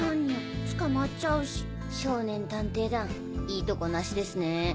いいトコなしですね。